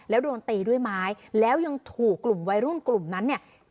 แล้วโดนตีด้วยไม้แล้วยังถูกกลุ่มวัยรุ่นกลุ่มนั้นเนี่ย